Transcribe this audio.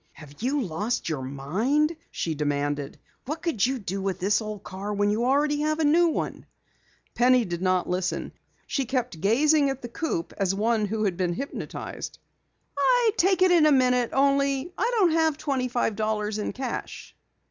"Have you lost your mind?" she demanded. "What could you do with this old car when you already have a new one?" Penny did not listen. She kept gazing at the coupe as one who had been hypnotized. "I'd take it in a minute, only I don't have twenty five dollars in cash."